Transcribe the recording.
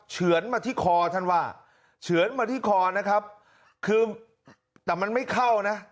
เฉือนมาที่คอท่านว่าเฉือนมาที่คอนะครับคือแต่มันไม่เข้านะ